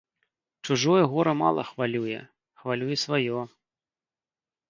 Чужое гора мала хвалюе, хвалюе сваё.